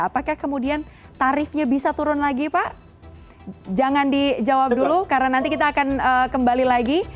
apakah kemudian tarifnya bisa turun lagi pak jangan dijawab dulu karena nanti kita akan kembali lagi